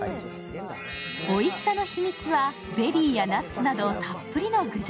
おいしさの秘密はベリーやナッツなどたっぷりの具材。